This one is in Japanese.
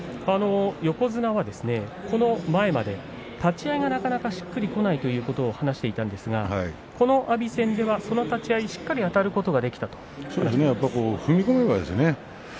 横綱はこの前まで立ち合いがなかなかしっくりこないということを話していたんですが阿炎戦では立ち合いしっかりあたることができたと踏み込めばですね。